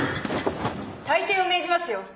退廷を命じますよ。